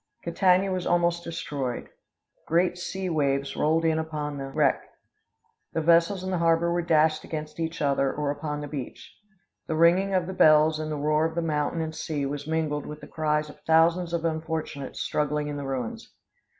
Catania was almost destroyed; great sea waves rolled in upon the [Illustration: DESTRUCTION OF CATANIA.] wreck; the vessels in the harbor were dashed against each other or upon the beach: the ringing of the bells and the roar of the mountain and sea was mingled with the cries of thousands of unfortunates struggling in the ruins.